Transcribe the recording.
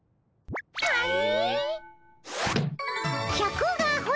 はい？